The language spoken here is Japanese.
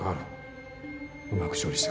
うまく処理してくれ